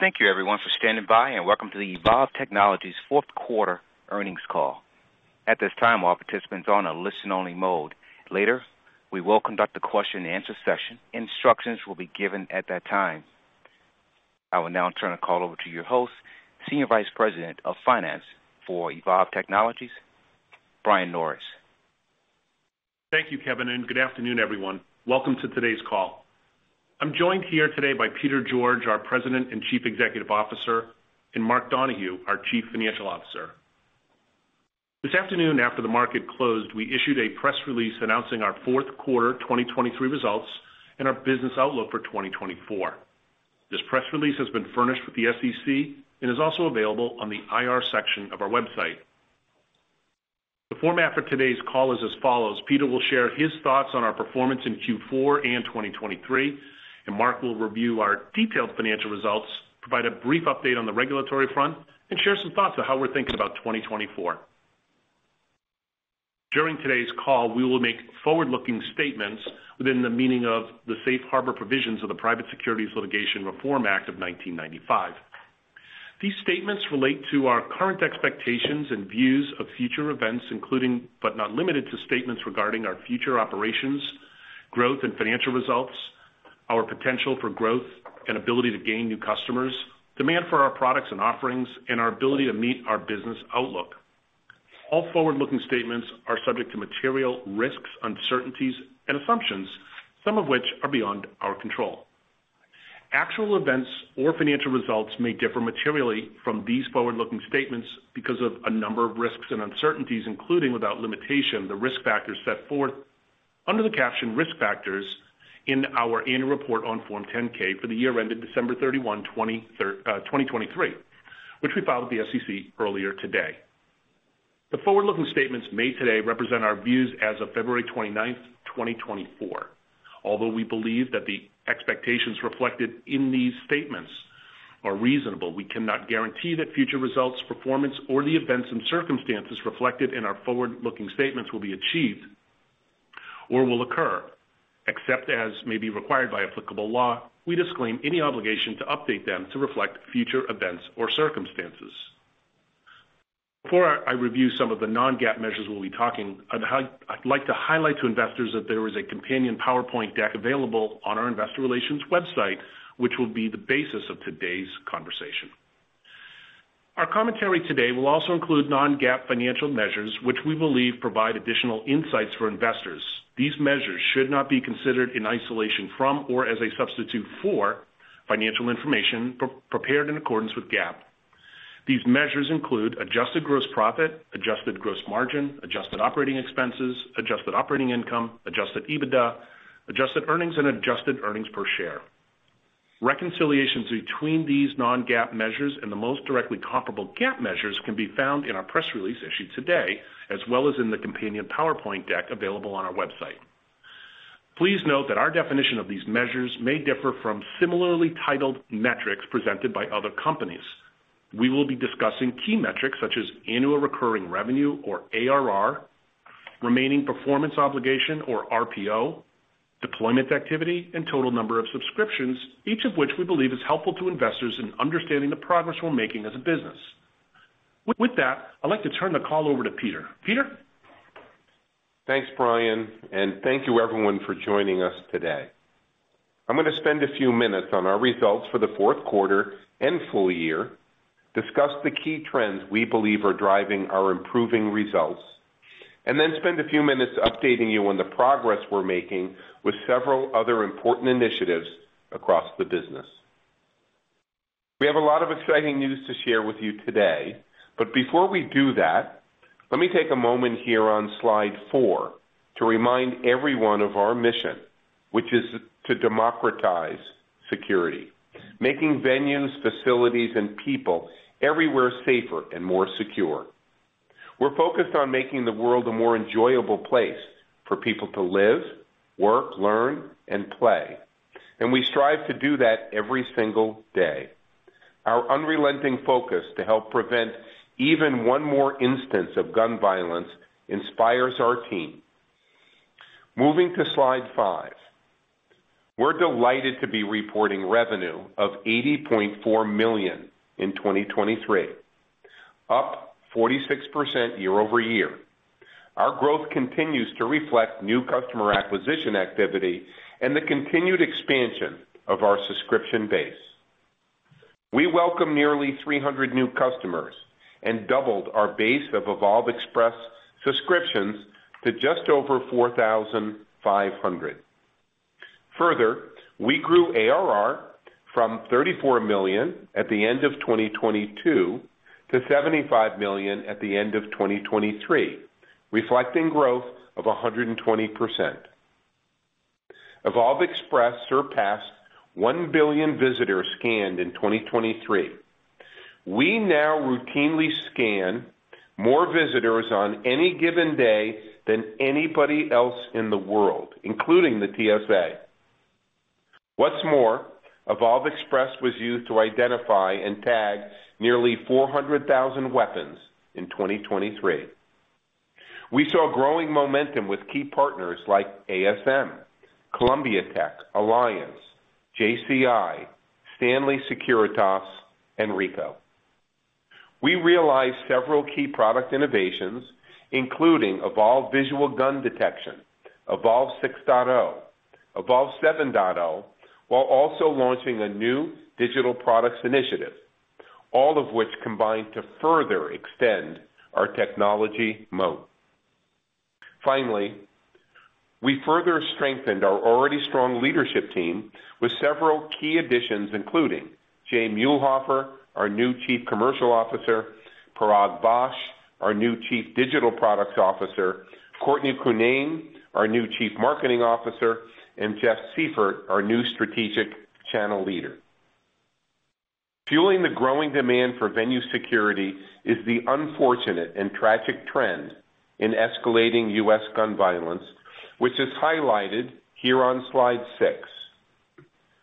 Thank you, everyone, for standing by, and welcome to the Evolv Technologies Fourth Quarter Earnings Call. At this time, all participants are on a listen-only mode. Later, we will conduct a question-and-answer session. Instructions will be given at that time. I will now turn the call over to your host, Senior Vice President of Finance for Evolv Technologies, Brian Norris. Thank you, Kevin, and good afternoon, everyone. Welcome to today's call. I'm joined here today by Peter George, our President and Chief Executive Officer, and Mark Donohue, our Chief Financial Officer. This afternoon, after the market closed, we issued a press release announcing our fourth quarter 2023 results and our Business Outlook for 2024. This press release has been furnished with the SEC and is also available on the IR section of our website. The format for today's call is as follows: Peter will share his thoughts on our performance in Q4 and 2023, and Mark will review our detailed financial results, provide a brief update on the regulatory front, and share some thoughts on how we're thinking about 2024. During today's call, we will make forward-looking statements within the meaning of the Safe Harbor Provisions of the Private Securities Litigation Reform Act of 1995. These statements relate to our current expectations and views of future events, including, but not limited to, statements regarding our future operations, growth and financial results, our potential for growth and ability to gain new customers, demand for our products and offerings, and our ability to meet our business outlook. All forward-looking statements are subject to material risks, uncertainties, and assumptions, some of which are beyond our control. Actual events or financial results may differ materially from these forward-looking statements because of a number of risks and uncertainties, including, without limitation, the risk factors set forth under the caption Risk Factors in our annual report on Form 10-K for the year ended December 31, 2023, which we filed with the SEC earlier today. The forward-looking statements made today represent our views as of February 29, 2024. Although we believe that the expectations reflected in these statements are reasonable, we cannot guarantee that future results, performance, or the events and circumstances reflected in our forward-looking statements will be achieved or will occur. Except as may be required by applicable law, we disclaim any obligation to update them to reflect future events or circumstances. Before I review some of the non-GAAP measures we'll be talking, I'd like to highlight to investors that there is a companion PowerPoint deck available on our investor relations website, which will be the basis of today's conversation. Our commentary today will also include non-GAAP financial measures, which we believe provide additional insights for investors. These measures should not be considered in isolation from or as a substitute for financial information prepared in accordance with GAAP. These measures include adjusted gross profit, adjusted gross margin, adjusted operating expenses, adjusted operating income, adjusted EBITDA, adjusted earnings, and adjusted earnings per share. Reconciliations between these non-GAAP measures and the most directly comparable GAAP measures can be found in our press release issued today, as well as in the companion PowerPoint deck available on our website. Please note that our definition of these measures may differ from similarly titled metrics presented by other companies. We will be discussing key metrics such as annual recurring revenue or ARR, remaining performance obligation or RPO, deployment activity, and total number of subscriptions, each of which we believe is helpful to investors in understanding the progress we're making as a business. With that, I'd like to turn the call over to Peter. Peter? Thanks, Brian, and thank you everyone for joining us today. I'm gonna spend a few minutes on our results for the fourth quarter and full year, discuss the key trends we believe are driving our improving results, and then spend a few minutes updating you on the progress we're making with several other important initiatives across the business. We have a lot of exciting news to share with you today, but before we do that, let me take a moment here on slide four to remind everyone of our mission, which is to democratize security, making venues, facilities, and people everywhere safer and more secure. We're focused on making the world a more enjoyable place for people to live, work, learn, and play, and we strive to do that every single day. Our unrelenting focus to help prevent even one more instance of gun violence inspires our team. Moving to slide five. We're delighted to be reporting revenue of $80.4 million in 2023, up 46% year-over-year. Our growth continues to reflect new customer acquisition activity and the continued expansion of our subscription base. We welcome nearly 300 new customers and doubled our base of Evolv Express subscriptions to just over 4,500. Further, we grew ARR from $34 million at the end of 2022 to $75 million at the end of 2023, reflecting growth of 120%. Evolv Express surpassed 1 billion visitors scanned in 2023. We now routinely scan more visitors on any given day than anybody else in the world, including the TSA. What's more, Evolv Express was used to identify and tag nearly 400,000 weapons in 2023. We saw growing momentum with key partners like ASM, Columbia Tech, Alliance, JCI, Stanley Securitas, and Ricoh. We realized several key product innovations, including Evolv Visual Gun Detection, Evolv 6.0, Evolv 7.0, while also launching a new digital products initiative, all of which combined to further extend our technology moat. Finally, we further strengthened our already strong leadership team with several key additions, including Jay Muelhoefer, our new Chief Commercial Officer, Parag Vaish, our new Chief Digital Products Officer, Courtney Cunnane, our new Chief Marketing Officer, and Jeff Seifert, our new Strategic Channel Leader. Fueling the growing demand for venue security is the unfortunate and tragic trend in escalating U.S. gun violence, which is highlighted here on slide six.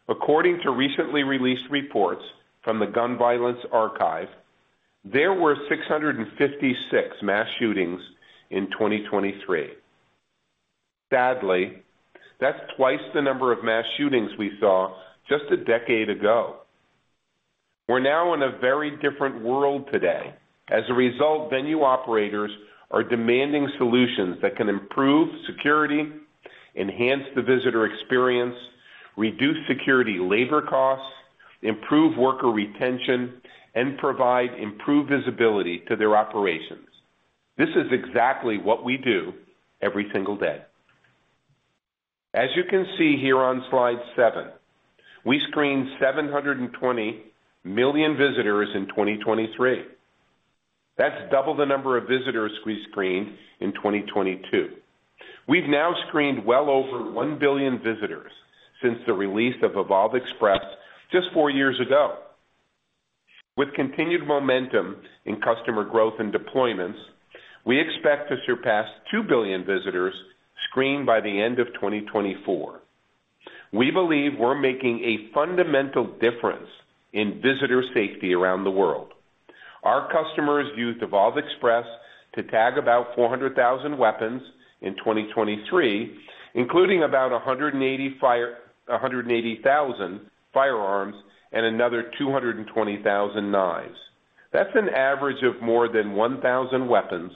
According to recently released reports from the Gun Violence Archive, there were 656 mass shootings in 2023. Sadly, that's twice the number of mass shootings we saw just a decade ago. We're now in a very different world today. As a result, venue operators are demanding solutions that can improve security, enhance the visitor experience, reduce security labor costs, improve worker retention, and provide improved visibility to their operations. This is exactly what we do every single day. As you can see here on slide seven, we screened 720 million visitors in 2023. That's double the number of visitors we screened in 2022. We've now screened well over 1 billion visitors since the release of Evolv Express just four years ago. With continued momentum in customer growth and deployments, we expect to surpass 2 billion visitors screened by the end of 2024. We believe we're making a fundamental difference in visitor safety around the world. Our customers used Evolv Express to tag about 400,000 weapons in 2023, including about 180,000 firearms and another 220,000 knives. That's an average of more than 1,000 weapons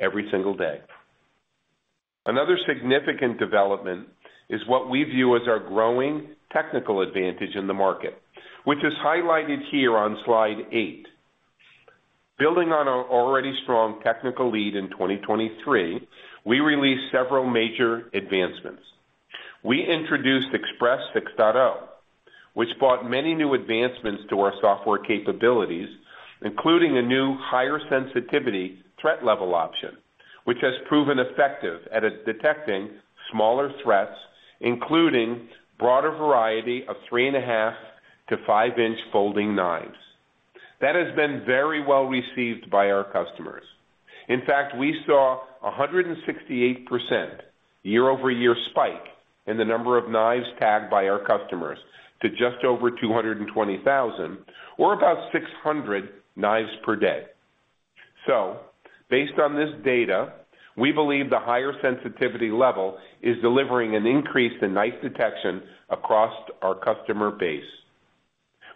every single day. Another significant development is what we view as our growing technical advantage in the market, which is highlighted here on slide eight. Building on our already strong technical lead in 2023, we released several major advancements. We introduced Express 6.0, which brought many new advancements to our software capabilities, including a new higher sensitivity threat level option, which has proven effective at detecting smaller threats, including broader variety of 3.5 - 5 inch folding knives. That has been very well received by our customers. In fact, we saw a 168% year-over-year spike in the number of knives tagged by our customers to just over 220,000, or about 600 knives per day. So based on this data, we believe the higher sensitivity level is delivering an increase in knife detection across our customer base.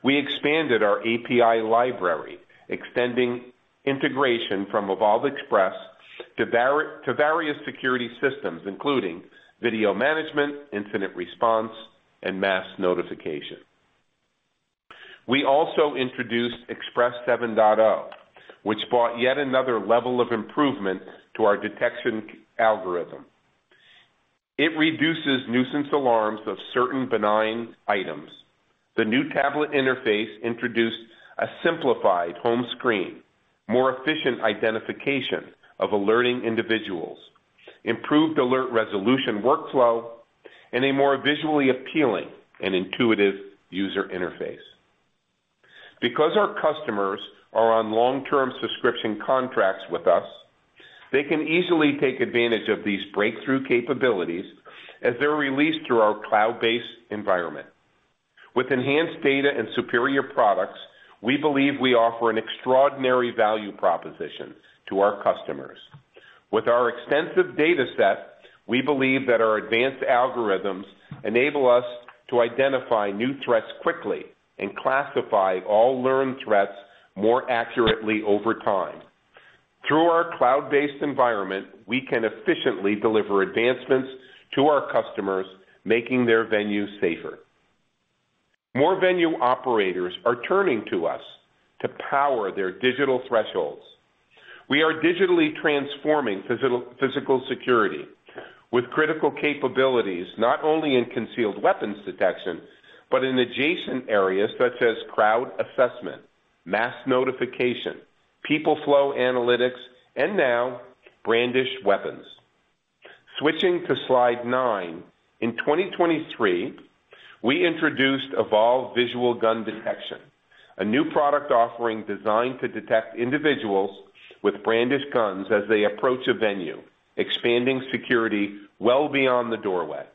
We expanded our API library, extending integration from Evolv Express to various security systems, including video management, incident response, and mass notification. We also introduced Express 7.0, which brought yet another level of improvement to our detection algorithm. It reduces nuisance alarms of certain benign items. The new tablet interface introduced a simplified home screen, more efficient identification of alerting individuals, improved alert resolution workflow, and a more visually appealing and intuitive user interface. Because our customers are on long-term subscription contracts with us, they can easily take advantage of these breakthrough capabilities as they're released through our cloud-based environment. With enhanced data and superior products, we believe we offer an extraordinary value proposition to our customers. With our extensive data set, we believe that our advanced algorithms enable us to identify new threats quickly and classify all learned threats more accurately over time. Through our cloud-based environment, we can efficiently deliver advancements to our customers, making their venues safer. More venue operators are turning to us to power their digital thresholds. We are digitally transforming physical, physical security with critical capabilities, not only in concealed weapons detection, but in adjacent areas such as crowd assessment, mass notification, people flow analytics, and now, brandished weapons. Switching to slide nine. In 2023, we introduced Evolv Visual Gun Detection, a new product offering designed to detect individuals with brandished guns as they approach a venue, expanding security well beyond the doorway.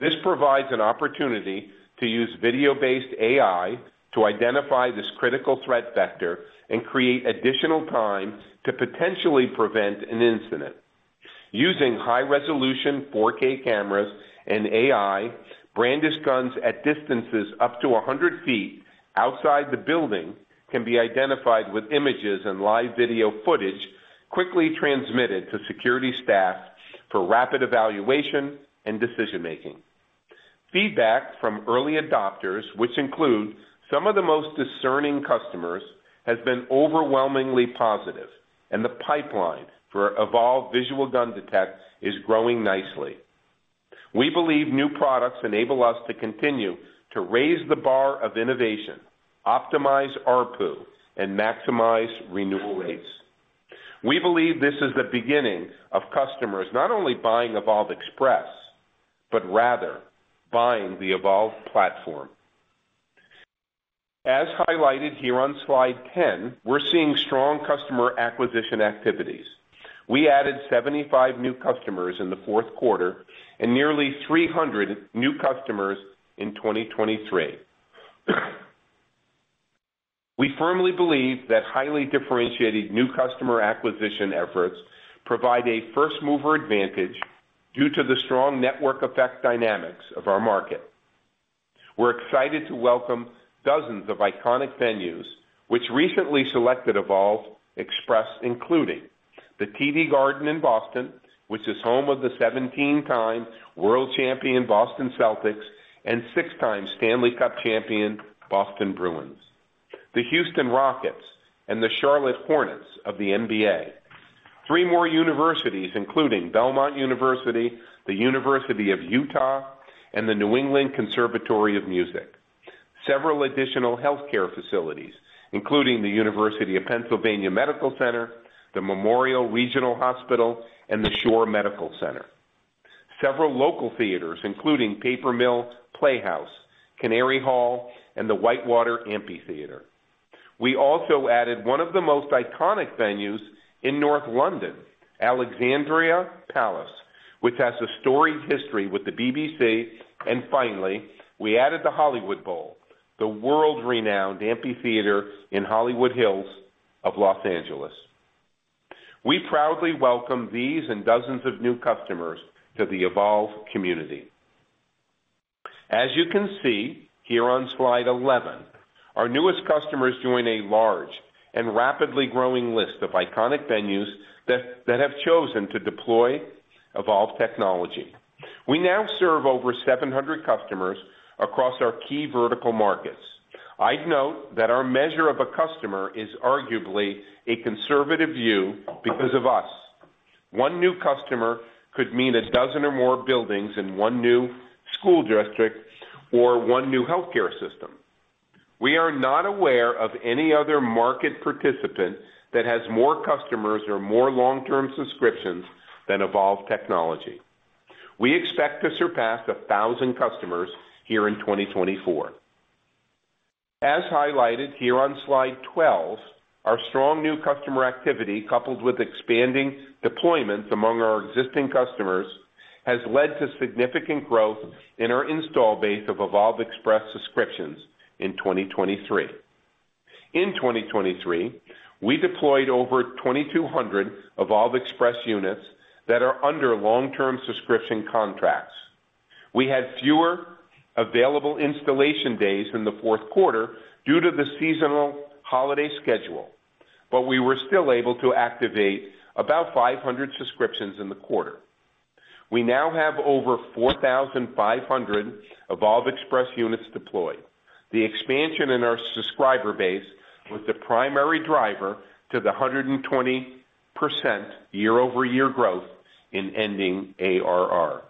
This provides an opportunity to use video-based AI to identify this critical threat vector and create additional time to potentially prevent an incident. Using high-resolution 4K cameras and AI, brandished guns at distances up to 100 feet outside the building can be identified with images and live video footage quickly transmitted to security staff for rapid evaluation and decision-making. Feedback from early adopters, which include some of the most discerning customers, has been overwhelmingly positive, and the pipeline for Evolv Visual Gun Detection is growing nicely. We believe new products enable us to continue to raise the bar of innovation, optimize ARPU, and maximize renewal rates. We believe this is the beginning of customers not only buying Evolv Express, but rather buying the Evolv platform. As highlighted here on slide 10, we're seeing strong customer acquisition activities. We added 75 new customers in the fourth quarter and nearly 300 new customers in 2023. We firmly believe that highly differentiated new customer acquisition efforts provide a first-mover advantage due to the strong network effect dynamics of our market. We're excited to welcome dozens of iconic venues, which recently selected Evolv Express, including the TD Garden in Boston, which is home of the 17-time world champion Boston Celtics and 6-time Stanley Cup champion Boston Bruins, the Houston Rockets, and the Charlotte Hornets of the NBA. 3 more universities, including Belmont University, the University of Utah, and the New England Conservatory of Music. Several additional healthcare facilities, including the University of Pennsylvania Medical Center, the Memorial Regional Hospital, and the Shore Medical Center. Several local theaters, including Paper Mill Playhouse, Canary Hall, and the Whitewater Amphitheatre. We also added one of the most iconic venues in North London, Alexandra Palace, which has a storied history with the BBC. And finally, we added the Hollywood Bowl, the world-renowned amphitheater in Hollywood Hills of Los Angeles. We proudly welcome these and dozens of new customers to the Evolv community. As you can see here on slide 11, our newest customers join a large and rapidly growing list of iconic venues that have chosen to deploy Evolv Technology. We now serve over 700 customers across our key vertical markets. I'd note that our measure of a customer is arguably a conservative view because of us. One new customer could mean a dozen or more buildings in one new school district or one new healthcare system. We are not aware of any other market participant that has more customers or more long-term subscriptions than Evolv Technology. We expect to surpass 1,000 customers here in 2024. As highlighted here on slide 12, our strong new customer activity, coupled with expanding deployments among our existing customers, has led to significant growth in our install base of Evolv Express subscriptions in 2023. In 2023, we deployed over 2,200 Evolv Express units that are under long-term subscription contracts. We had fewer available installation days in the fourth quarter due to the seasonal holiday schedule, but we were still able to activate about 500 subscriptions in the quarter. We now have over 4,500 Evolv Express units deployed. The expansion in our subscriber base was the primary driver to the 120% year-over-year growth in ending ARR.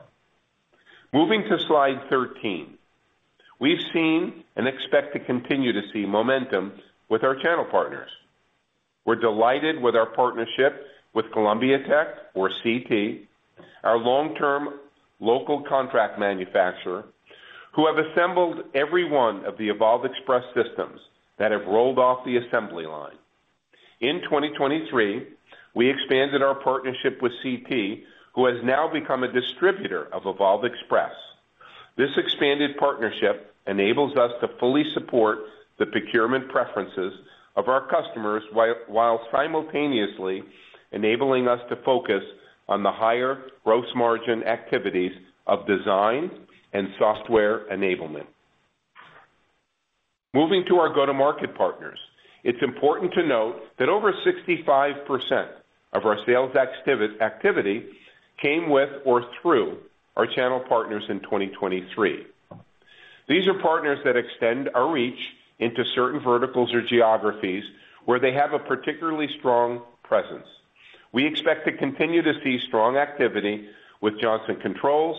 Moving to slide 13. We've seen and expect to continue to see momentum with our channel partners. We're delighted with our partnership with Columbia Tech, or CT, our long-term local contract manufacturer, who have assembled every one of the Evolv Express systems that have rolled off the assembly line. In 2023, we expanded our partnership with CT, who has now become a distributor of Evolv Express. This expanded partnership enables us to fully support the procurement preferences of our customers, while simultaneously enabling us to focus on the higher gross margin activities of design and software enablement. Moving to our go-to-market partners, it's important to note that over 65% of our sales activity came with or through our channel partners in 2023. These are partners that extend our reach into certain verticals or geographies where they have a particularly strong presence. We expect to continue to see strong activity with Johnson Controls,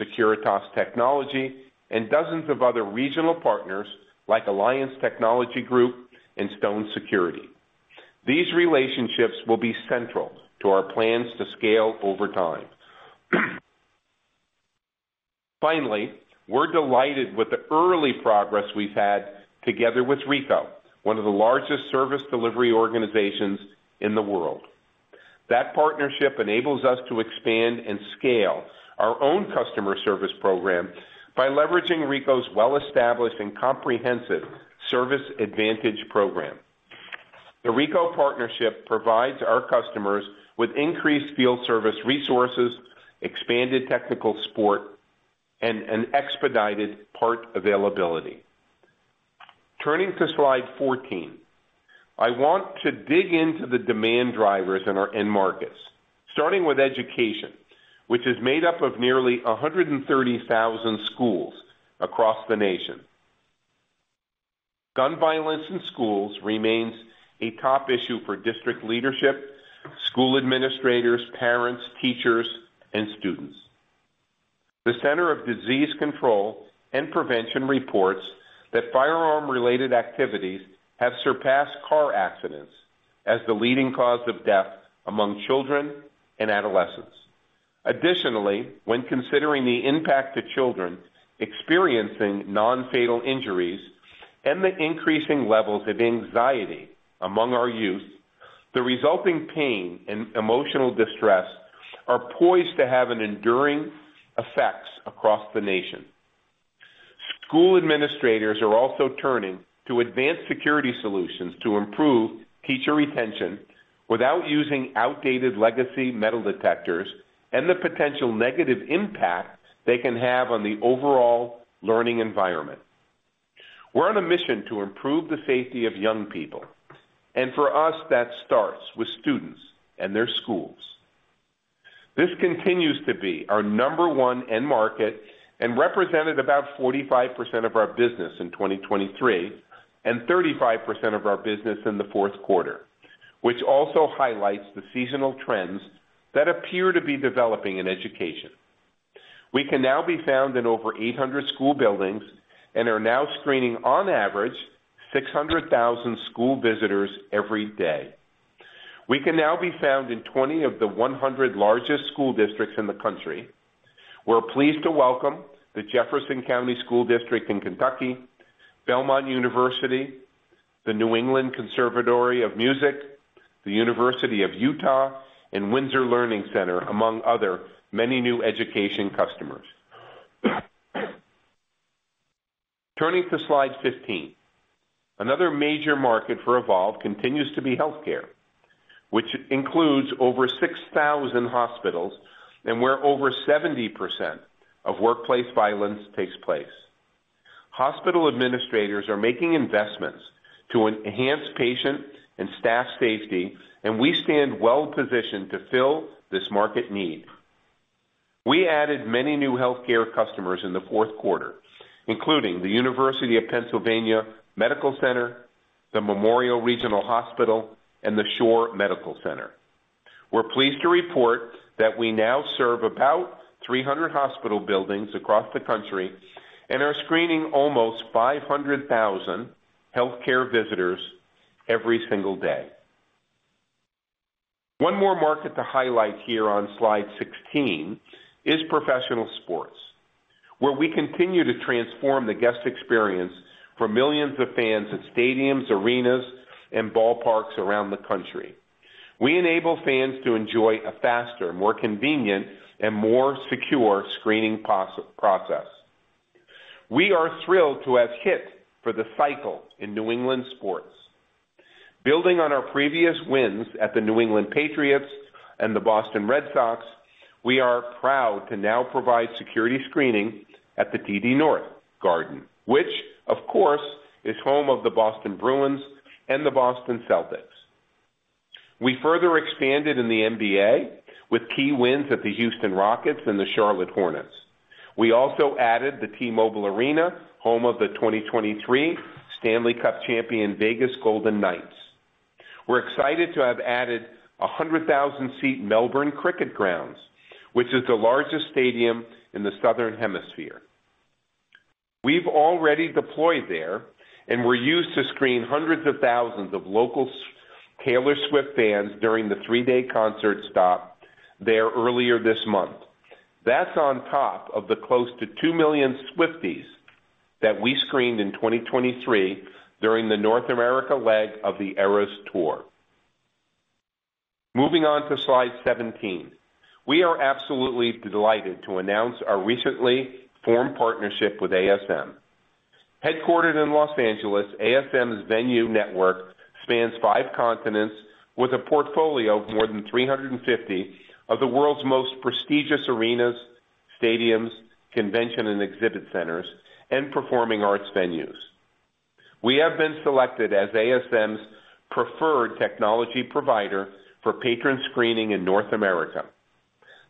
Securitas Technology, and dozens of other regional partners like Alliance Technology Group and Stone Security. These relationships will be central to our plans to scale over time. Finally, we're delighted with the early progress we've had together with Ricoh, one of the largest service delivery organizations in the world. That partnership enables us to expand and scale our own customer service program by leveraging Ricoh's well-established and comprehensive service advantage program. The Ricoh partnership provides our customers with increased field service resources, expanded technical support, and an expedited part availability. Turning to slide 14, I want to dig into the demand drivers in our end markets, starting with education, which is made up of nearly 130,000 schools across the nation. Gun violence in schools remains a top issue for district leadership, school administrators, parents, teachers, and students. The Centers for Disease Control and Prevention reports that firearm-related activities have surpassed car accidents as the leading cause of death among children and adolescents. Additionally, when considering the impact to children experiencing non-fatal injuries and the increasing levels of anxiety among our youth, the resulting pain and emotional distress are poised to have an enduring effect across the nation. School administrators are also turning to advanced security solutions to improve teacher retention without using outdated legacy metal detectors and the potential negative impact they can have on the overall learning environment. We're on a mission to improve the safety of young people, and for us, that starts with students and their schools. This continues to be our number one end market and represented about 45% of our business in 2023, and 35% of our business in the fourth quarter, which also highlights the seasonal trends that appear to be developing in education. We can now be found in over 800 school buildings and are now screening, on average, 600,000 school visitors every day. We can now be found in 20 of the 100 largest school districts in the country. We're pleased to welcome the Jefferson County School District in Kentucky, Belmont University, the New England Conservatory of Music, the University of Utah, and Windsor Learning Center, among other many new education customers. Turning to slide 15, another major market for Evolv continues to be healthcare, which includes over 6,000 hospitals and where over 70% of workplace violence takes place. Hospital administrators are making investments to enhance patient and staff safety, and we stand well positioned to fill this market need. We added many new healthcare customers in the fourth quarter, including the University of Pennsylvania Medical Center, the Memorial Regional Hospital, and the Shore Medical Center. We're pleased to report that we now serve about 300 hospital buildings across the country and are screening almost 500,000 healthcare visitors every single day. One more market to highlight here on slide 16 is professional sports, where we continue to transform the guest experience for millions of fans at stadiums, arenas, and ballparks around the country. We enable fans to enjoy a faster, more convenient, and more secure screening process. We are thrilled to have hit for the cycle in New England sports. Building on our previous wins at the New England Patriots and the Boston Red Sox, we are proud to now provide security screening at the TD Garden, which, of course, is home of the Boston Bruins and the Boston Celtics. We further expanded in the NBA with key wins at the Houston Rockets and the Charlotte Hornets. We also added the T-Mobile Arena, home of the 2023 Stanley Cup champion, Vegas Golden Knights. We're excited to have added a 100,000-seat Melbourne Cricket Ground, which is the largest stadium in the Southern Hemisphere. We've already deployed there, and we're used to screen hundreds of thousands of local Taylor Swift fans during the 3-day concert stop there earlier this month. That's on top of the close to 2 million Swifties that we screened in 2023 during the North America leg of the Eras Tour. Moving on to slide 17. We are absolutely delighted to announce our recently formed partnership with ASM. Headquartered in Los Angeles, ASM's venue network spans five continents with a portfolio of more than 350 of the world's most prestigious arenas, stadiums, convention and exhibit centers, and performing arts venues. We have been selected as ASM Global's preferred technology provider for patron screening in North America.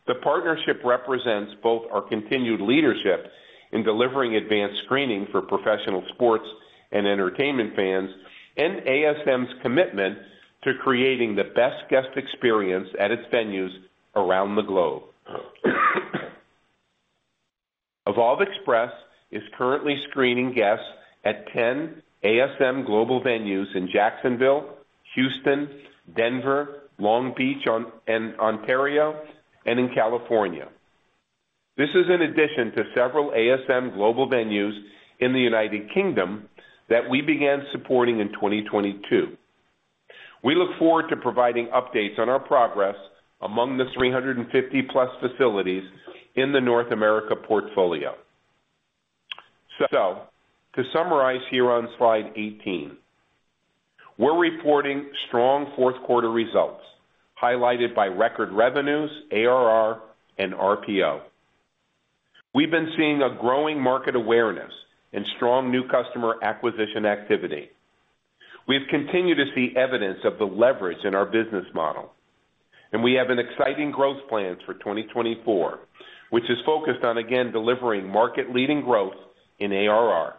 The partnership represents both our continued leadership in delivering advanced screening for professional sports and entertainment fans, and ASM Global's commitment to creating the best guest experience at its venues around the globe. Evolv Express is currently screening guests at 10 ASM Global venues in Jacksonville, Houston, Denver, Long Beach, Ontario, and in California. This is in addition to several ASM Global venues in the United Kingdom that we began supporting in 2022. We look forward to providing updates on our progress among the 350+ facilities in the North America portfolio. So to summarize here on slide 18, we're reporting strong fourth quarter results, highlighted by record revenues, ARR, and RPO. We've been seeing a growing market awareness and strong new customer acquisition activity. We've continued to see evidence of the leverage in our business model, and we have an exciting growth plan for 2024, which is focused on, again, delivering market-leading growth in ARR.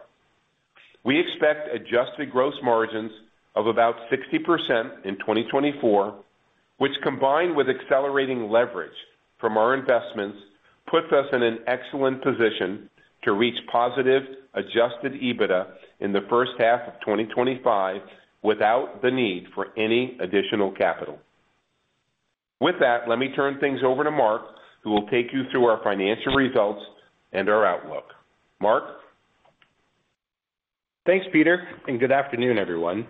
We expect adjusted gross margins of about 60% in 2024, which, combined with accelerating leverage from our investments, puts us in an excellent position to reach positive Adjusted EBITDA in the first half of 2025 without the need for any additional capital. With that, let me turn things over to Mark, who will take you through our financial results and our outlook. Mark? Thanks, Peter, and good afternoon, everyone.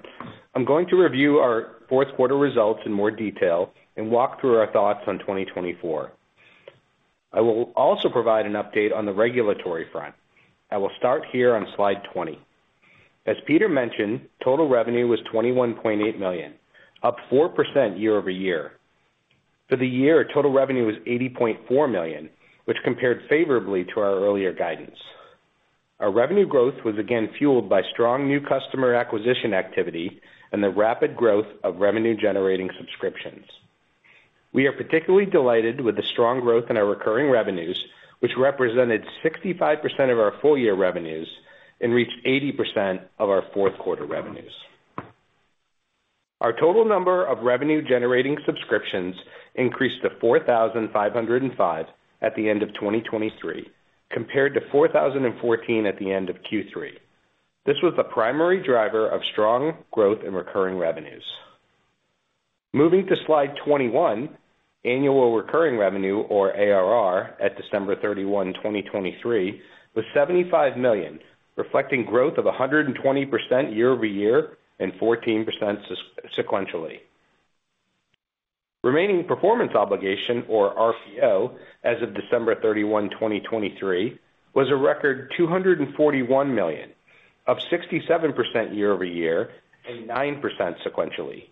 I'm going to review our fourth quarter results in more detail and walk through our thoughts on 2024. I will also provide an update on the regulatory front. I will start here on slide 20. As Peter mentioned, total revenue was $21.8 million, up 4% year-over-year. For the year, total revenue was $80.4 million, which compared favorably to our earlier guidance. Our revenue growth was again fueled by strong new customer acquisition activity and the rapid growth of revenue-generating subscriptions. We are particularly delighted with the strong growth in our recurring revenues, which represented 65% of our full-year revenues and reached 80% of our fourth quarter revenues. Our total number of revenue-generating subscriptions increased to 4,005 at the end of 2023, compared to 4,014 at the end of Q3. This was the primary driver of strong growth in recurring revenues. Moving to slide 21, annual recurring revenue, or ARR, at December 31, 2023, was $75 million, reflecting growth of 120% year-over-year and 14% sequentially. Remaining performance obligation, or RPO, as of December 31, 2023, was a record $241 million, up 67% year-over-year and 9% sequentially.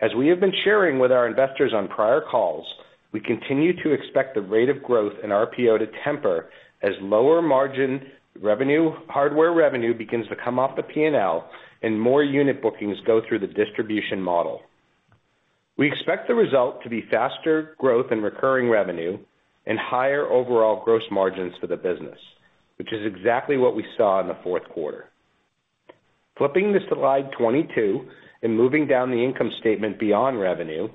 As we have been sharing with our investors on prior calls, we continue to expect the rate of growth in RPO to temper as lower margin revenue, hardware revenue begins to come off the P&L and more unit bookings go through the distribution model. We expect the result to be faster growth in recurring revenue and higher overall gross margins for the business, which is exactly what we saw in the fourth quarter. Flipping to slide 22 and moving down the income statement beyond revenue,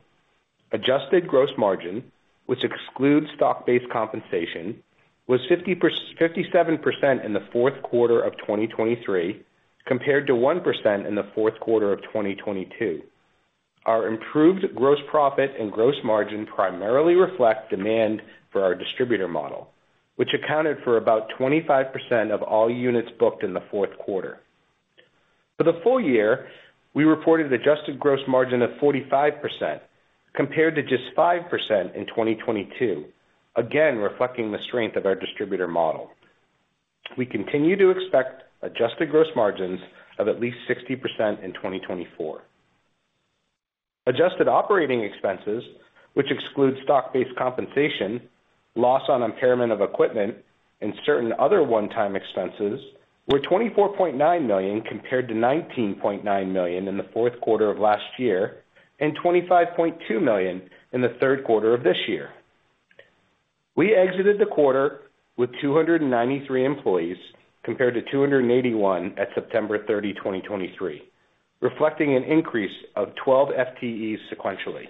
adjusted gross margin, which excludes stock-based compensation, was 57% in the fourth quarter of 2023, compared to 1% in the fourth quarter of 2022. Our improved gross profit and gross margin primarily reflect demand for our distributor model, which accounted for about 25% of all units booked in the fourth quarter. For the full year, we reported adjusted gross margin of 45%, compared to just 5% in 2022, again, reflecting the strength of our distributor model. We continue to expect adjusted gross margins of at least 60% in 2024. Adjusted operating expenses, which excludes stock-based compensation, loss on impairment of equipment, and certain other one-time expenses, were $24.9 million, compared to $19.9 million in the fourth quarter of last year, and $25.2 million in the third quarter of this year. We exited the quarter with 293 employees, compared to 281 at September 30, 2023, reflecting an increase of 12 FTEs sequentially.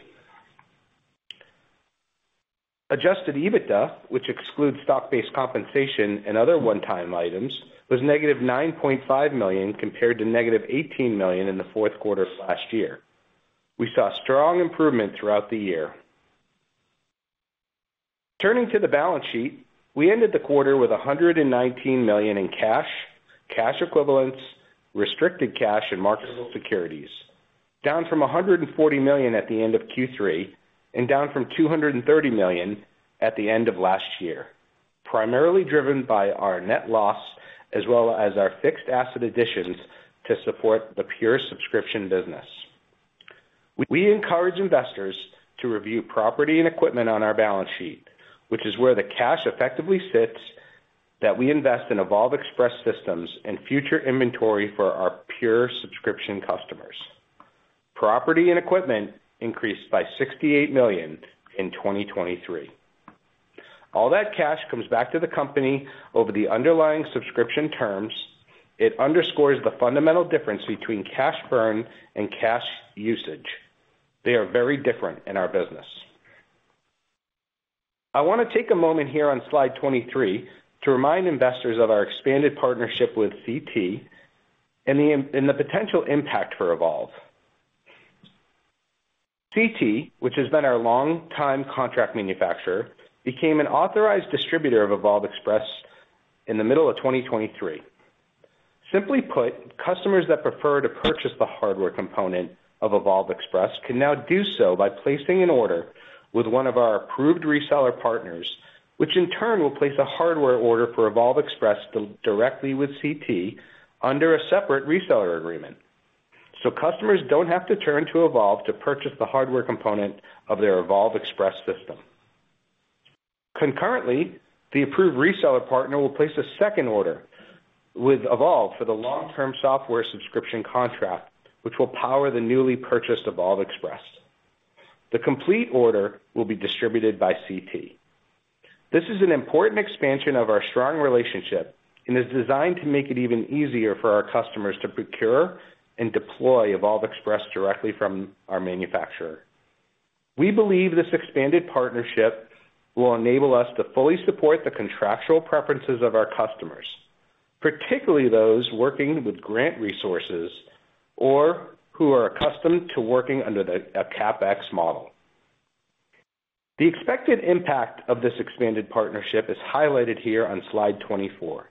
Adjusted EBITDA, which excludes stock-based compensation and other one-time items, was -$9.5 million, compared to -$18 million in the fourth quarter of last year. We saw strong improvement throughout the year. Turning to the balance sheet, we ended the quarter with $119 million in cash, cash equivalents, restricted cash, and marketable securities, down from $140 million at the end of Q3 and down from $230 million at the end of last year, primarily driven by our net loss as well as our fixed asset additions to support the pure subscription business. We encourage investors to review property and equipment on our balance sheet, which is where the cash effectively sits, that we invest in Evolv Express systems and future inventory for our pure subscription customers. Property and equipment increased by $68 million in 2023. All that cash comes back to the company over the underlying subscription terms. It underscores the fundamental difference between cash burn and cash usage. They are very different in our business. I want to take a moment here on slide 23 to remind investors of our expanded partnership with CT and the potential impact for Evolv. CT, which has been our long-time contract manufacturer, became an authorized distributor of Evolv Express in the middle of 2023. Simply put, customers that prefer to purchase the hardware component of Evolv Express can now do so by placing an order with one of our approved reseller partners, which in turn will place a hardware order for Evolv Express directly with CT under a separate reseller agreement. So customers don't have to turn to Evolv to purchase the hardware component of their Evolv Express system. Concurrently, the approved reseller partner will place a second order with Evolv for the long-term software subscription contract, which will power the newly purchased Evolv Express. The complete order will be distributed by CT. This is an important expansion of our strong relationship and is designed to make it even easier for our customers to procure and deploy Evolv Express directly from our manufacturer. We believe this expanded partnership will enable us to fully support the contractual preferences of our customers, particularly those working with grant resources or who are accustomed to working under a CapEx model. The expected impact of this expanded partnership is highlighted here on slide 24.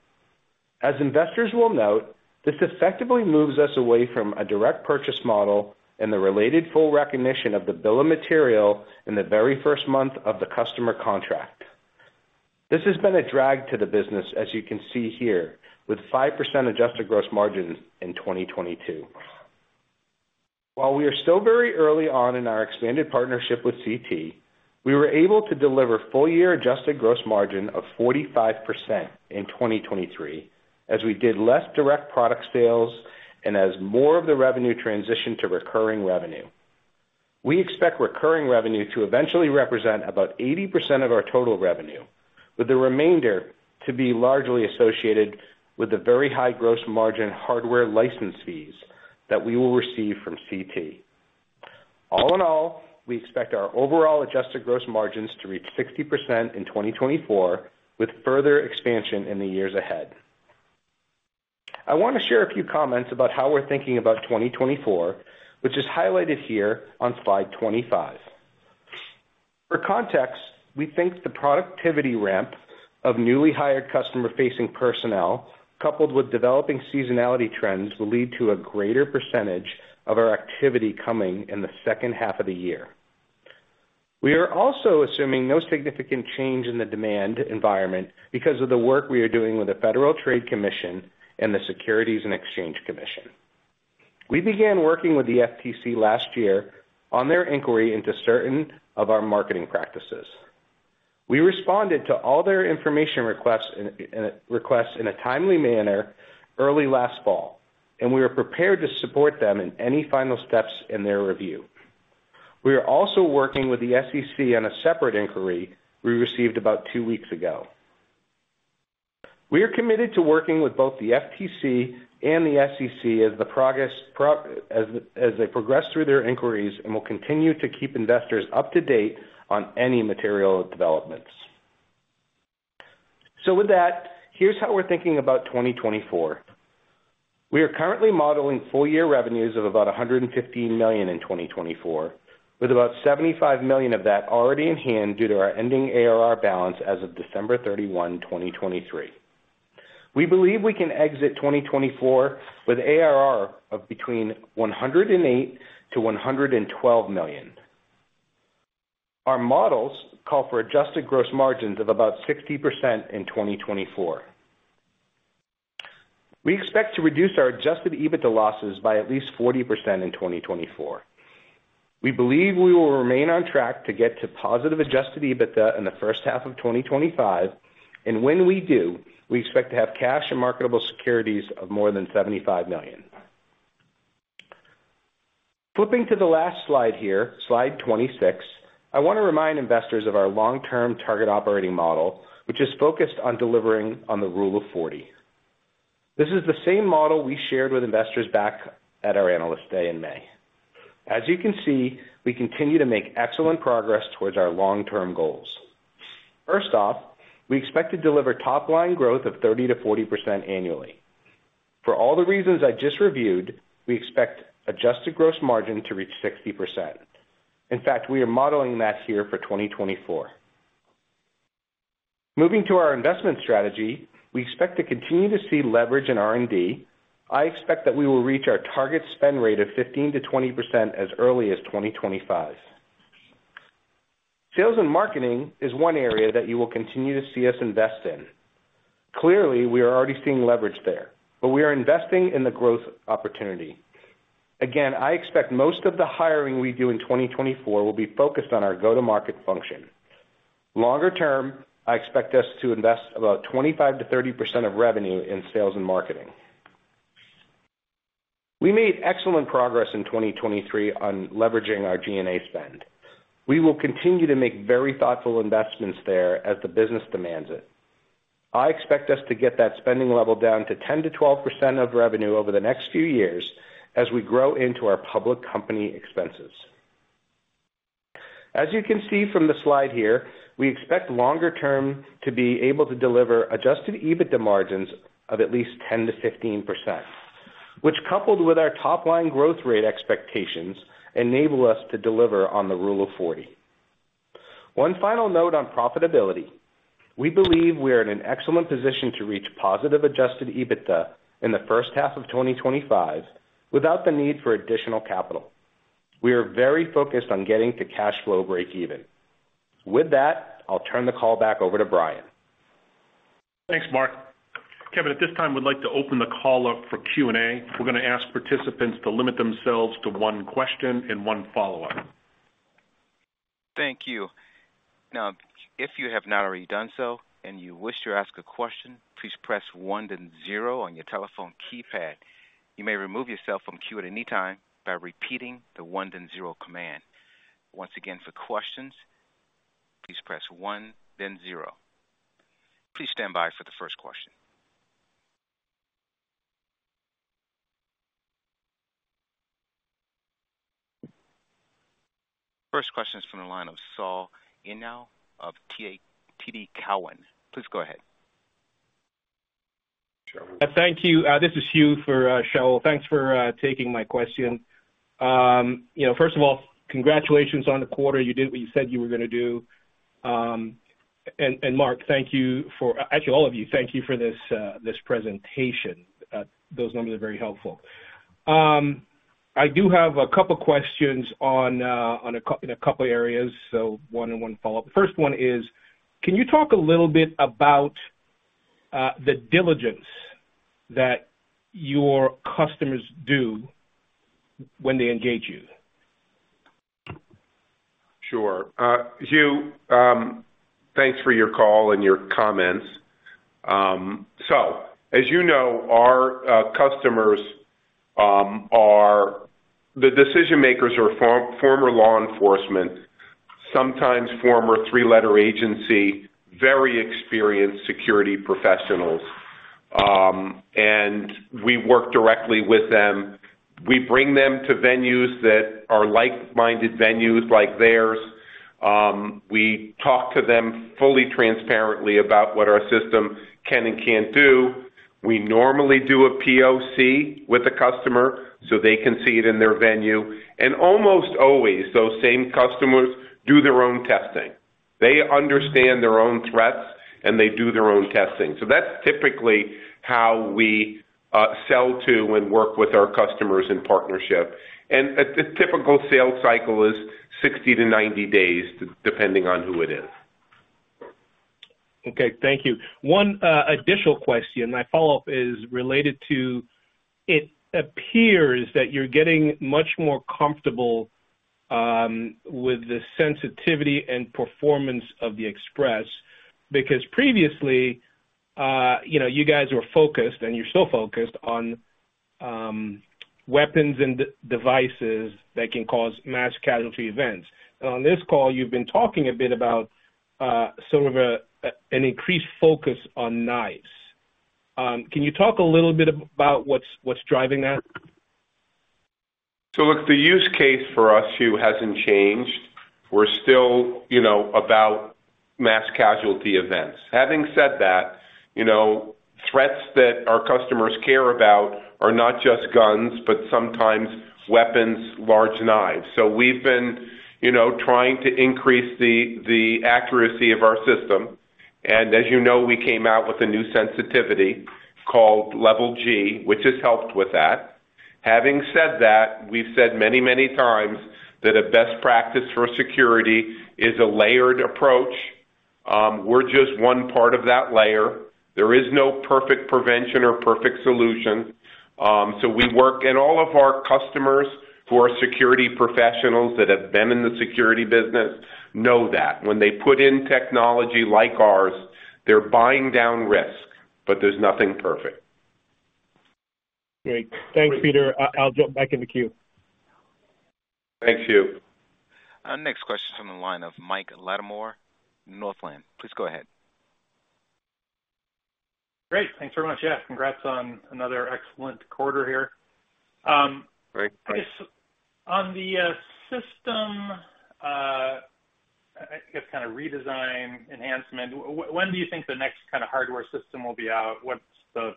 As investors will note, this effectively moves us away from a direct purchase model and the related full recognition of the bill of material in the very first month of the customer contract. This has been a drag to the business, as you can see here, with 5% adjusted gross margin in 2022. While we are still very early on in our expanded partnership with CT, we were able to deliver full-year adjusted gross margin of 45% in 2023, as we did less direct product sales and as more of the revenue transitioned to recurring revenue. We expect recurring revenue to eventually represent about 80% of our total revenue, with the remainder to be largely associated with the very high gross margin hardware license fees that we will receive from CT. All in all, we expect our overall adjusted gross margins to reach 60% in 2024, with further expansion in the years ahead. I want to share a few comments about how we're thinking about 2024, which is highlighted here on slide 25. For context, we think the productivity ramp of newly hired customer-facing personnel, coupled with developing seasonality trends, will lead to a greater percentage of our activity coming in the second half of the year. We are also assuming no significant change in the demand environment because of the work we are doing with the Federal Trade Commission and the Securities and Exchange Commission. We began working with the FTC last year on their inquiry into certain of our marketing practices. We responded to all their information requests in a timely manner early last fall, and we are prepared to support them in any final steps in their review. We are also working with the SEC on a separate inquiry we received about two weeks ago. We are committed to working with both the FTC and the SEC as they progress through their inquiries and will continue to keep investors up to date on any material developments. So with that, here's how we're thinking about 2024. We are currently modeling full year revenues of about $150 million in 2024, with about $75 million of that already in hand due to our ending ARR balance as of December 31, 2023. We believe we can exit 2024 with ARR of between $108 million and $112 million. Our models call for adjusted gross margins of about 60% in 2024. We expect to reduce our adjusted EBITDA losses by at least 40% in 2024. We believe we will remain on track to get to positive Adjusted EBITDA in the first half of 2025, and when we do, we expect to have cash and marketable securities of more than $75 million. Flipping to the last slide here, slide 26, I want to remind investors of our long-term target operating model, which is focused on delivering on the Rule of 40. This is the same model we shared with investors back at our Analyst Day in May. As you can see, we continue to make excellent progress towards our long-term goals. First off, we expect to deliver top-line growth of 30% - 40% annually. For all the reasons I just reviewed, we expect Adjusted Gross Margin to reach 60%. In fact, we are modeling that here for 2024. Moving to our investment strategy, we expect to continue to see leverage in R&D. I expect that we will reach our target spend rate of 15% - 20% as early as 2025. Sales and marketing is one area that you will continue to see us invest in. Clearly, we are already seeing leverage there, but we are investing in the growth opportunity. Again, I expect most of the hiring we do in 2024 will be focused on our go-to-market function. Longer term, I expect us to invest about 25%-30% of revenue in sales and marketing. We made excellent progress in 2023 on leveraging our G&A spend. We will continue to make very thoughtful investments there as the business demands it. I expect us to get that spending level down to 10% - 12% of revenue over the next few years as we grow into our public company expenses. As you can see from the slide here, we expect longer term to be able to deliver adjusted EBITDA margins of at least 10% - 15%, which, coupled with our top line growth rate expectations, enable us to deliver on the Rule of 40. One final note on profitability, we believe we are in an excellent position to reach positive adjusted EBITDA in the first half of 2025 without the need for additional capital. We are very focused on getting to cash flow breakeven. With that, I'll turn the call back over to Brian. Thanks, Mark. Kevin, at this time, we'd like to open the call up for Q&A. We're gonna ask participants to limit themselves to one question and one follow-up. Thank you. Now, if you have not already done so and you wish to ask a question, please press one, then zero on your telephone keypad. You may remove yourself from queue at any time by repeating the one, then zero command. Once again, for questions, please press one, then zero. Please stand by for the first question. First question is from the line of Shaul Eyal of TD Cowen. Please go ahead. Thank you. This is Hugh for Shaul. Thanks for taking my question. You know, first of all, congratulations on the quarter. You did what you said you were gonna do. And, and Mark, thank you for. Actually, all of you, thank you for this, this presentation. Those numbers are very helpful. I do have a couple questions on in a couple areas, so one and one follow-up. The first one is: Can you talk a little bit about, the diligence that your customers do when they engage you? Sure. Hugh, thanks for your call and your comments. So as you know, our customers are the decision makers or former law enforcement, sometimes former three-letter agency, very experienced security professionals. And we work directly with them. We bring them to venues that are like-minded venues, like theirs. We talk to them fully transparently about what our system can and can't do. We normally do a POC with the customer so they can see it in their venue. And almost always, those same customers do their own testing. They understand their own threats, and they do their own testing. So that's typically how we sell to and work with our customers in partnership. And the typical sales cycle is 60-90 days, depending on who it is. Okay. Thank you. One additional question. My follow-up is related to, it appears that you're getting much more comfortable with the sensitivity and performance of the Express, because previously, you know, you guys were focused, and you're still focused on weapons and devices that can cause mass casualty events. And on this call, you've been talking a bit about sort of an increased focus on knives. Can you talk a little bit about what's driving that? So look, the use case for us, Hugh, hasn't changed. We're still, you know, about mass casualty events. Having said that, you know, threats that our customers care about are not just guns, but sometimes weapons, large knives. So we've been, you know, trying to increase the, the accuracy of our system, and as you know, we came out with a new sensitivity called Level G, which has helped with that. Having said that, we've said many, many times that a best practice for security is a layered approach. We're just one part of that layer. There is no perfect prevention or perfect solution. So we work and all of our customers, who are security professionals that have been in the security business, know that. When they put in technology like ours, they're buying down risk, but there's nothing perfect. Great. Thanks, Peter. I'll jump back in the queue. Thank you. Our next question from the line of Mike Latimore, Northland. Please go ahead. Great. Thanks very much. Yeah, congrats on another excellent quarter here. Great. On the system, I guess kind of redesign, enhancement, when do you think the next kind of hardware system will be out? What's the,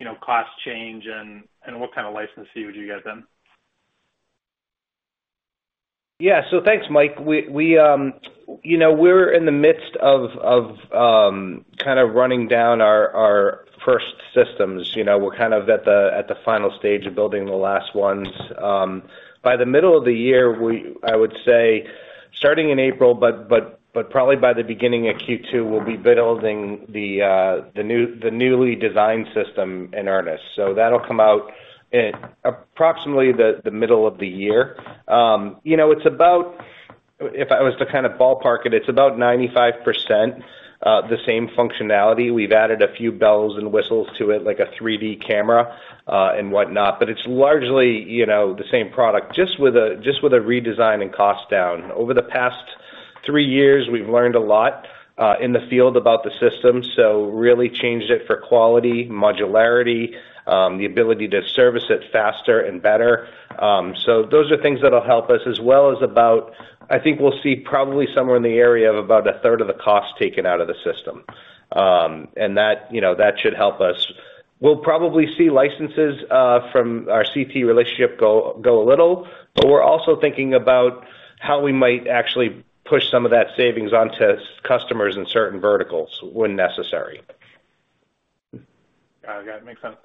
you know, cost change and what kind of license fee would you get then? Yeah. So thanks, Mike. We, you know, we're in the midst of kind of running down our first systems. You know, we're kind of at the final stage of building the last ones. By the middle of the year, we, I would say, starting in April, but probably by the beginning of Q2, we'll be building the new, the newly designed system in earnest. So that'll come out in approximately the middle of the year. You know, it's about. If I was to kind of ballpark it, it's about 95% the same functionality. We've added a few bells and whistles to it, like a 3-D camera, and whatnot, but it's largely, you know, the same product, just with a redesign and cost down. Over the past three years. We've learned a lot in the field about the system, so really changed it for quality, modularity, the ability to service it faster and better. So those are things that'll help us as well as about-- I think we'll see probably somewhere in the area of about a third of the cost taken out of the system. And that, you know, that should help us. We'll probably see licenses from our CT relationship go a little, but we're also thinking about how we might actually push some of that savings onto some customers in certain verticals when necessary. Got it. Makes sense.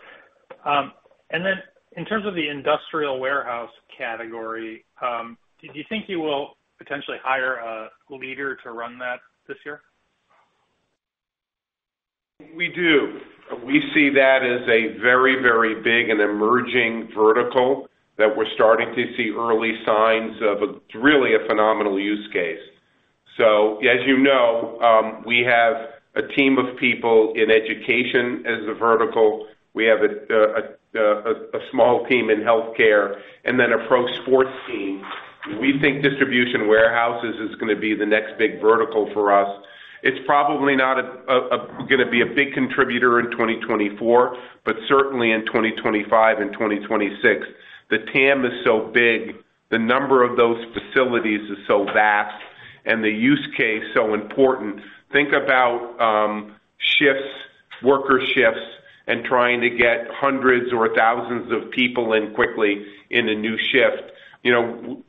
And then in terms of the industrial warehouse category, do you think you will potentially hire a leader to run that this year? We do. We see that as a very, very big and emerging vertical that we're starting to see early signs of. It's really a phenomenal use case. So as you know, we have a team of people in education as a vertical. We have a small team in healthcare and then a pro sports team. We think distribution warehouses is gonna be the next big vertical for us. It's probably not gonna be a big contributor in 2024, but certainly in 2025 and 2026. The TAM is so big, the number of those facilities is so vast and the use case so important. Think about shifts, worker shifts, and trying to get hundreds or thousands of people in quickly in a new shift. You know,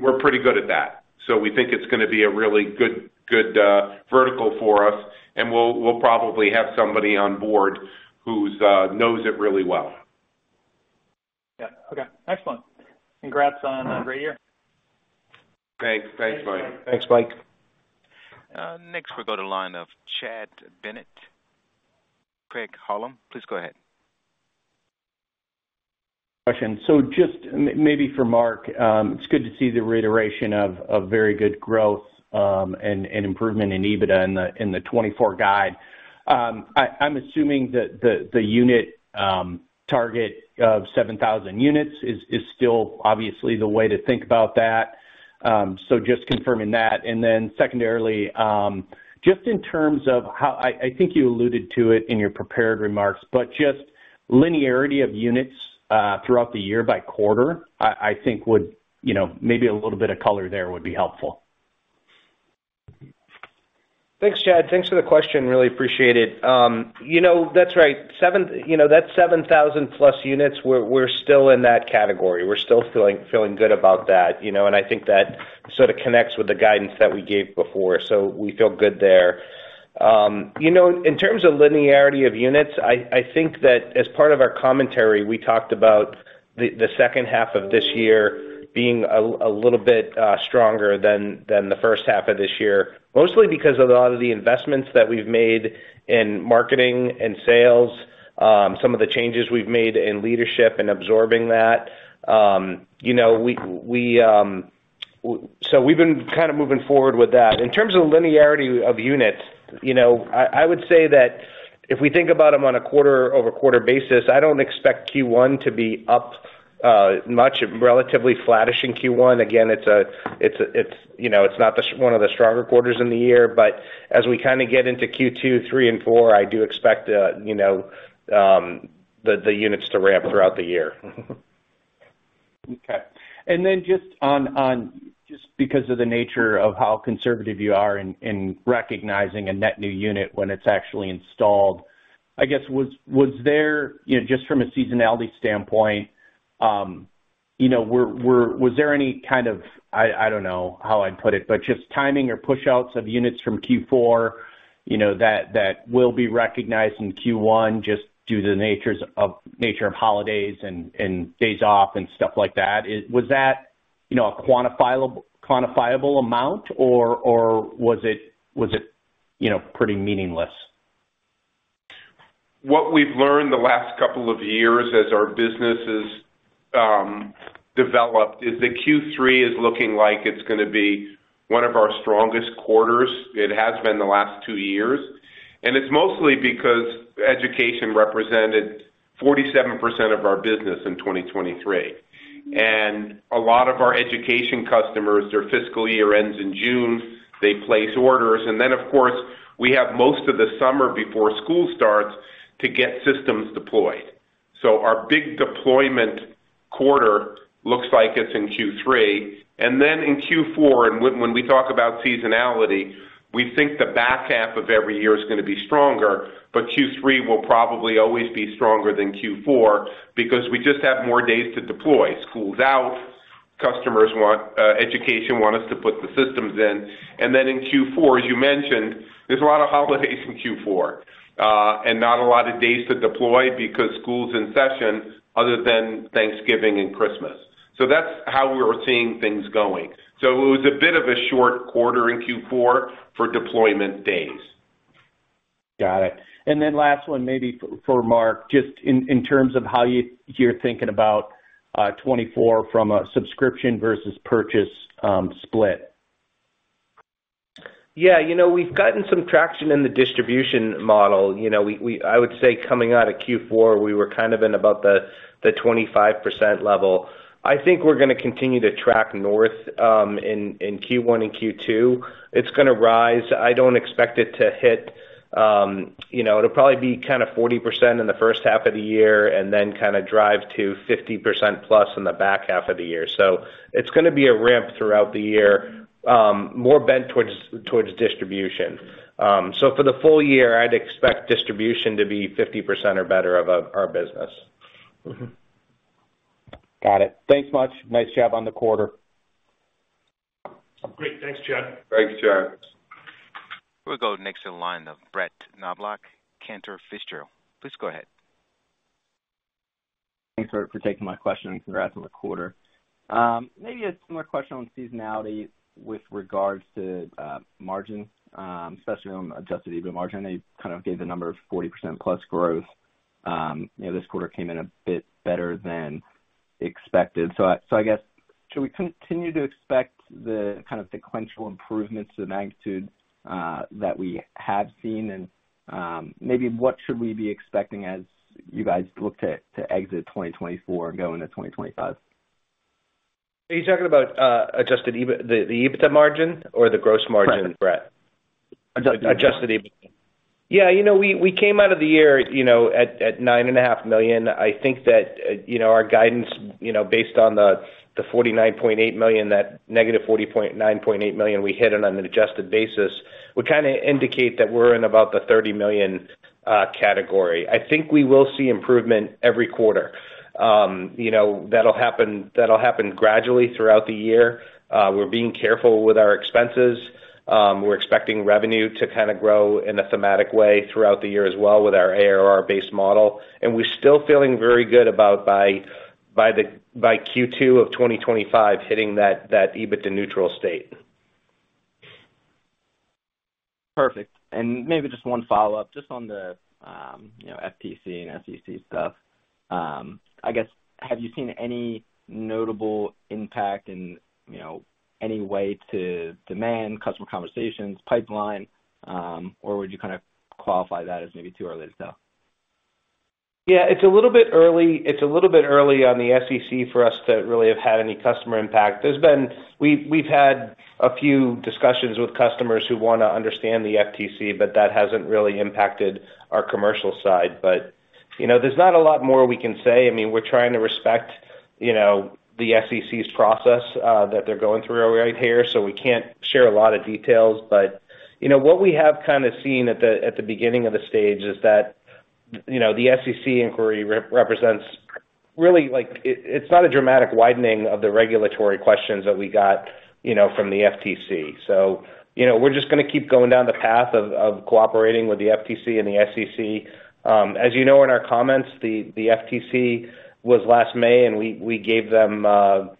we're pretty good at that, so we think it's gonna be a really good, good vertical for us, and we'll, we'll probably have somebody on board who's knows it really well. Yeah. Okay, excellent. Congrats on a great year. Thanks. Thanks, Mike. Thanks, Mike. Next, we go to line of Chad Bennett, Craig-Hallum. Please go ahead. Question. So just maybe for Mark, it's good to see the reiteration of very good growth, and improvement in EBITDA in the 2024 guide. I'm assuming that the unit target of 7,000 units is still obviously the way to think about that. So just confirming that. And then secondarily, just in terms of how. I think you alluded to it in your prepared remarks, but just linearity of units throughout the year by quarter, I think would, you know, maybe a little bit of color there would be helpful. Thanks, Chad. Thanks for the question. Really appreciate it. You know, that's right. 7,000+ units, we're still in that category. We're still feeling good about that, you know, and I think that sort of connects with the guidance that we gave before. So we feel good there. You know, in terms of linearity of units, I think that as part of our commentary, we talked about the second half of this year being a little bit stronger than the first half of this year, mostly because of a lot of the investments that we've made in marketing and sales, some of the changes we've made in leadership and absorbing that. You know, we, so we've been kind of moving forward with that. In terms of linearity of units, you know, I would say that if we think about them on a quarter-over-quarter basis, I don't expect Q1 to be up much, relatively flattish in Q1. Again, you know, it's not one of the stronger quarters in the year, but as we kind of get into Q2, 3 and 4, I do expect, you know, the units to ramp throughout the year. Okay. And then just on, just because of the nature of how conservative you are in recognizing a net new unit when it's actually installed, I guess, was there, you know, just from a seasonality standpoint, you know, was there any kind of. I don't know how I'd put it, but just timing or push outs of units from Q4, you know, that will be recognized in Q1, just due to the nature of holidays and days off and stuff like that? Was that, you know, a quantifiable amount, or was it, you know, pretty meaningless? What we've learned the last couple of years as our business has developed, is that Q3 is looking like it's gonna be one of our strongest quarters. It has been the last two years, and it's mostly because education represented 47% of our business in 2023. And a lot of our education customers, their fiscal year ends in June. They place orders, and then, of course, we have most of the summer before school starts to get systems deployed. So our big deployment quarter looks like it's in Q3, and then in Q4, and when we talk about seasonality, we think the back half of every year is gonna be stronger. But Q3 will probably always be stronger than Q4 because we just have more days to deploy. School's out, customers want education want us to put the systems in. And then in Q4, as you mentioned, there's a lot of holidays in Q4, and not a lot of days to deploy because school's in session other than Thanksgiving and Christmas. So that's how we're seeing things going. So it was a bit of a short quarter in Q4 for deployment days. Got it. And then last one, maybe for Mark, just in terms of how you're thinking about 2024 from a subscription versus purchase split. Yeah, you know, we've gotten some traction in the distribution model. You know, we were kind of in about the 25% level. I think we're gonna continue to track north in Q1 and Q2. It's gonna rise. I don't expect it to hit, you know, it'll probably be kind of 40% in the first half of the year, and then kinda drive to 50%+ in the back half of the year. So it's gonna be a ramp throughout the year, more bent towards distribution. So for the full year, I'd expect distribution to be 50% or better of our business. Got it. Thanks much. Nice job on the quarter. Great. Thanks, Chad. Thanks, Chad. We'll go next to the line of Brett Knoblauch, Cantor Fitzgerald. Please go ahead. Thanks for taking my question, and congrats on the quarter. Maybe a similar question on seasonality with regards to margin, especially on adjusted EBITDA margin. I kind of gave the number of 40%+ growth. You know, this quarter came in a bit better than expected. So I guess, should we continue to expect the kind of sequential improvements to the magnitude that we have seen? And maybe what should we be expecting as you guys look to exit 2024 and go into 2025? Are you talking about adjusted EBITDA margin or the gross margin, Brett? Adjusted EBITDA. Adjusted EBITDA. Yeah, you know, we came out of the year, you know, at $9.5 million. I think that, you know, our guidance, you know, based on the $49.8 million, that -$40.9 million we hit on an adjusted basis, would kinda indicate that we're in about the $30 million category. I think we will see improvement every quarter. You know, that'll happen gradually throughout the year. We're being careful with our expenses. We're expecting revenue to kinda grow in a thematic way throughout the year as well, with our ARR-based model. And we're still feeling very good about by Q2 of 2025, hitting that EBITDA neutral state. Perfect. Maybe just one follow-up, just on the, you know, FTC and SEC stuff. I guess, have you seen any notable impact in, you know, any way to demand, customer conversations, pipeline, or would you kinda qualify that as maybe too early to tell? Yeah, it's a little bit early. It's a little bit early on the SEC for us to really have had any customer impact. There's been, we've had a few discussions with customers who wanna understand the FTC, but that hasn't really impacted our commercial side. But, you know, there's not a lot more we can say. I mean, we're trying to respect, you know, the SEC's process that they're going through right here, so we can't share a lot of details. But, you know, what we have kinda seen at the beginning of the stage is that, you know, the SEC inquiry represents really, like, it's not a dramatic widening of the regulatory questions that we got, you know, from the FTC. So, you know, we're just gonna keep going down the path of cooperating with the FTC and the SEC. As you know, in our comments, the FTC was last May, and we gave them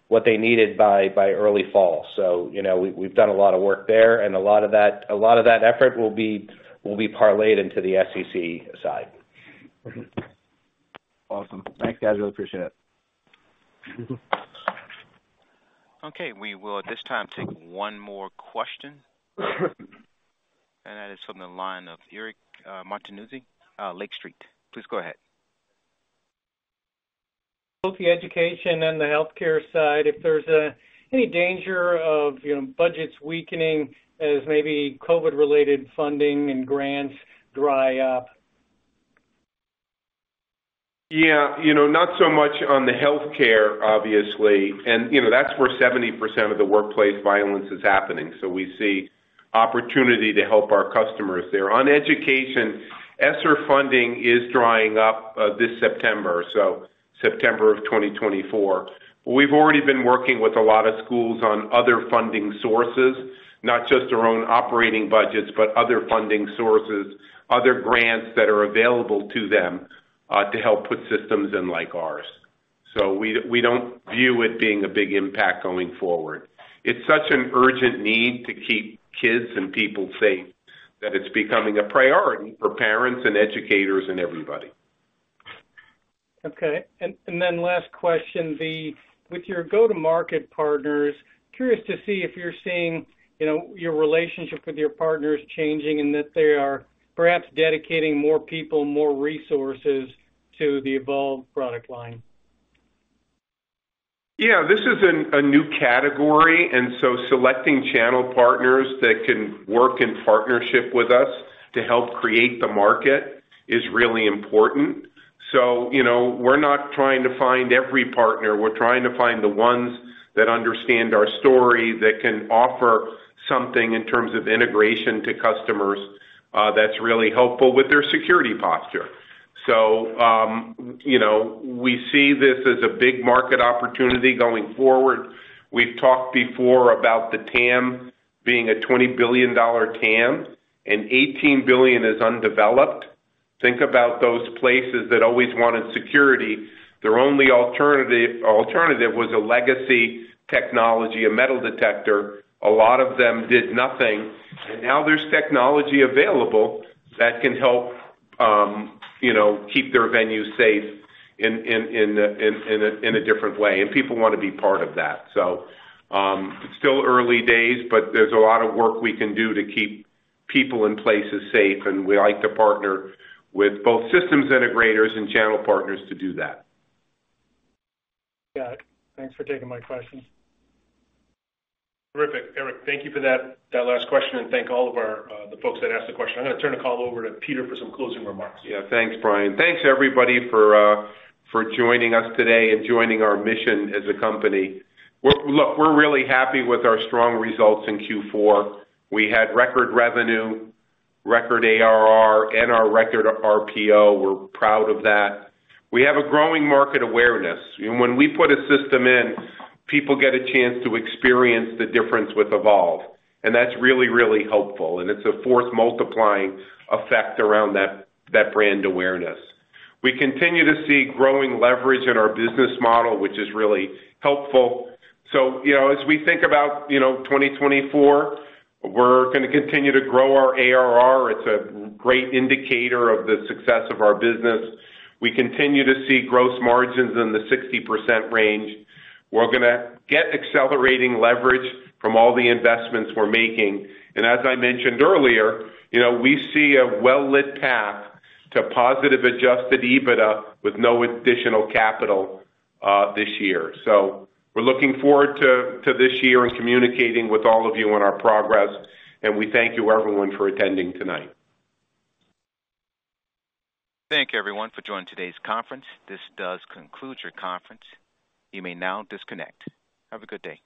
what they needed by early fall. So, you know, we've done a lot of work there, and a lot of that effort will be parlayed into the SEC side. Awesome. Thanks, guys. Really appreciate it. Okay. We will, at this time, take one more question, and that is from the line of Eric Martinuzzi, Lake Street. Please go ahead. Both the education and the healthcare side, if there's any danger of, you know, budgets weakening as maybe COVID-related funding and grants dry up? Yeah. You know, not so much on the healthcare, obviously, and, you know, that's where 70% of the workplace violence is happening, so we see opportunity to help our customers there. On education, ESSER funding is drying up, this September, so September of 2024. We've already been working with a lot of schools on other funding sources, not just their own operating budgets, but other funding sources, other grants that are available to them, to help put systems in like ours. So we, we don't view it being a big impact going forward. It's such an urgent need to keep kids and people safe, that it's becoming a priority for parents and educators and everybody. Okay. And then last question, with your go-to-market partners, curious to see if you're seeing, you know, your relationship with your partners changing, and that they are perhaps dedicating more people, more resources to the Evolv product line. Yeah, this is a new category, and so selecting channel partners that can work in partnership with us to help create the market is really important. So, you know, we're not trying to find every partner. We're trying to find the ones that understand our story, that can offer something in terms of integration to customers, that's really helpful with their security posture. So, you know, we see this as a big market opportunity going forward. We've talked before about the TAM being a $20 billion TAM, and $18 billion is undeveloped. Think about those places that always wanted security. Their only alternative was a legacy technology, a metal detector. A lot of them did nothing. Now there's technology available that can help, you know, keep their venues safe in a different way, and people want to be part of that. So, it's still early days, but there's a lot of work we can do to keep people and places safe, and we like to partner with both systems integrators and channel partners to do that. Got it. Thanks for taking my questions. Terrific. Eric, thank you for that, that last question, and thank all of our, the folks that asked a question. I'm gonna turn the call over to Peter for some closing remarks. Yeah. Thanks, Brian. Thanks, everybody, for joining us today and joining our mission as a company. We're really happy with our strong results in Q4. We had record revenue, record ARR, and our record RPO. We're proud of that. We have a growing market awareness, and when we put a system in, people get a chance to experience the difference with Evolv, and that's really, really helpful, and it's a force multiplying effect around that brand awareness. We continue to see growing leverage in our business model, which is really helpful. So, you know, as we think about, you know, 2024, we're gonna continue to grow our ARR. It's a great indicator of the success of our business. We continue to see gross margins in the 60% range. We're gonna get accelerating leverage from all the investments we're making. As I mentioned earlier, you know, we see a well-lit path to positive adjusted EBITDA with no additional capital this year. So we're looking forward to this year and communicating with all of you on our progress, and we thank you, everyone, for attending tonight. Thank you, everyone for joining today's conference. This does conclude your conference. You may now disconnect. Have a good day.